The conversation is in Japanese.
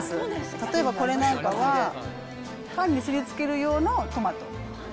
例えばこれなんかは、パンにすりつける用のトマト。